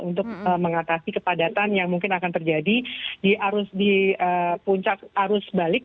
untuk mengatasi kepadatan yang mungkin akan terjadi di puncak arus balik